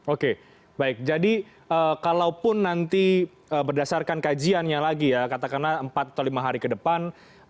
oke baik jadi kalaupun nanti berdasarkan kajiannya lagi ya katakanlah empat atau lima hari ke depan